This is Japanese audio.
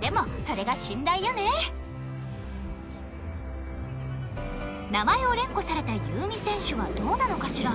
でも、それが信頼よね名前を連呼された夕湖選手はどうなのかしら？